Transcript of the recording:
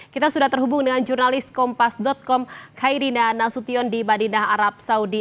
kita sudah terhubung dengan jurnalis kompas com kairina nasution di madinah arab saudi